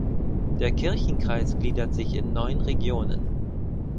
Der Kirchenkreis gliedert sich in neun Regionen.